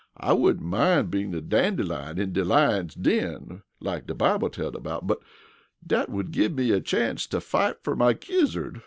I wouldn't mind bein' a Dandylion in de lion's den, like de Bible tells about dat would gib me a chance to fight fer my gizzard.